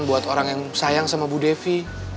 buat orang yang sayang sama bu devi